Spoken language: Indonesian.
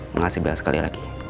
makasih banyak sekali lagi